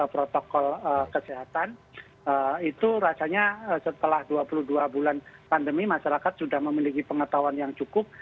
protokol kesehatan itu rasanya setelah dua puluh dua bulan pandemi masyarakat sudah memiliki pengetahuan yang cukup